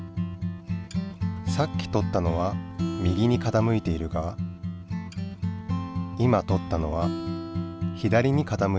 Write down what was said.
さっきとったのは右に傾いているが今とったのは左に傾いている。